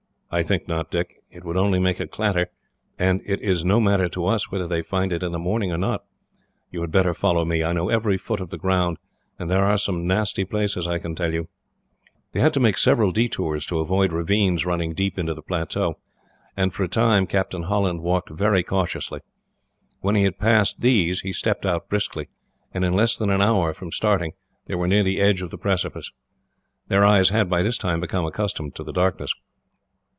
"I think not, Dick. It would only make a clatter, and it is no matter to us whether they find it in the morning or not. You had better follow me. I know every foot of the ground, and there are some nasty places, I can tell you." They had to make several detours, to avoid ravines running deep into the plateau, and for a time Captain Holland walked very cautiously. When he had passed these, he stepped out briskly, and in less than an hour from starting they were near the edge of the precipice. Their eyes had, by this time, become accustomed to the darkness.